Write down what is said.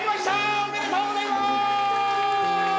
おめでとうございます！